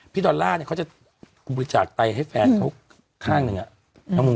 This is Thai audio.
ดอลลาร์เนี่ยเขาจะบริจาคไตให้แฟนเขาข้างหนึ่งอะ